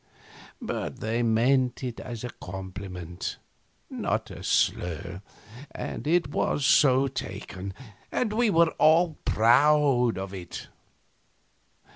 But they meant it as a compliment, not a slur, and it was so taken, and we were all proud of it.